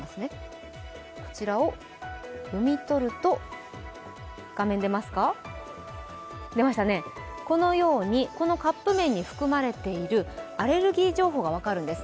こちらを読み取ると、このカップ麺に含まれているアレルギー情報が分かるんです。